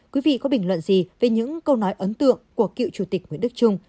quý vị có bình luận gì về những câu nói ấn tượng của cựu chủ tịch nguyễn đức trung